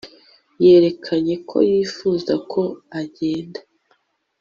Yerekanye ko yifuza ko agenda